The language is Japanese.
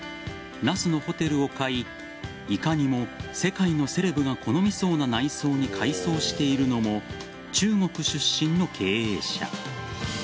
那須のホテルを買いいかにも世界のセレブが好みそうな内装に改装しているのも中国出身の経営者。